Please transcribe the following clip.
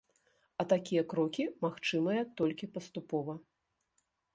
А такія крокі магчымыя толькі паступова.